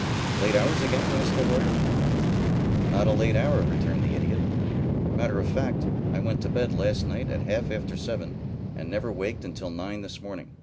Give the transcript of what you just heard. "Late hours again?" asked the Lawyer. "Not a late hour," returned the Idiot. "Matter of fact, I went to bed last night at half after seven and never waked until nine this morning.